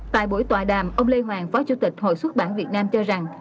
tại buổi tòa đàm ông lê hoàng phó chủ tịch hội xuất bản việt nam cho rằng